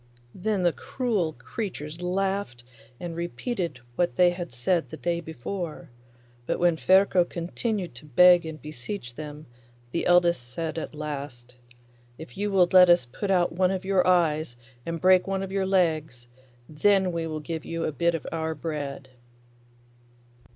Then the cruel creatures laughed, and repeated what they had said the day before; but when Ferko continued to beg and beseech them, the eldest said at last, 'If you will let us put out one of your eyes and break one of your legs, then we will give you a bit of our bread.